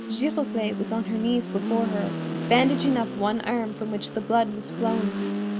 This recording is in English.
Giroflée was on her knees before her, bandaging up one arm from which the blood was flowing.